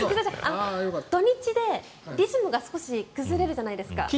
土日でリズムが崩れるじゃないですか。